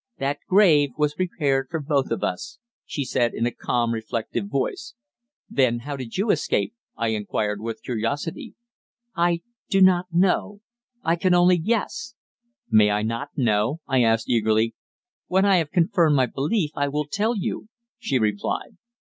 "That grave was prepared for both of us," she said in a calm, reflective voice. "Then how did you escape?" I inquired, with curiosity. "I do not know. I can only guess." "May I not know?" I asked eagerly. "When I have confirmed my belief, I will tell you," she replied.